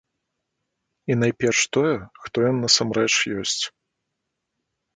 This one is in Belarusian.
І найперш тое, хто ён насамрэч ёсць.